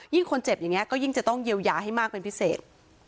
คนเจ็บอย่างนี้ก็ยิ่งจะต้องเยียวยาให้มากเป็นพิเศษ